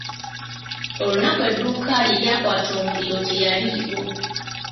Olunaku edduuka lwe lyakwata omuliro teyaliiwo.